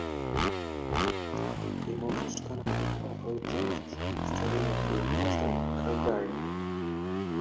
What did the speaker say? He moved to Canada to avoid the draft, studying at the University of Calgary.